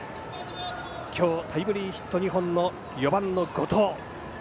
今日タイムリーヒット２本の４番の後藤。